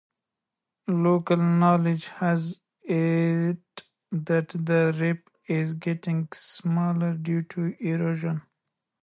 Local knowledge has it that the reef is getting smaller due to erosion.